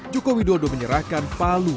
joko widodo menyerahkan palu